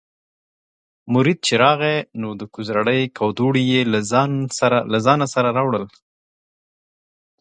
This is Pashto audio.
مرید چې راغی نو د کوزړۍ کودوړي یې له ځانه سره راوړل.